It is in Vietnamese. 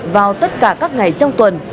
vào tất cả các ngày trong tuần